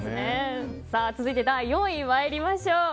続いて第４位参りましょう。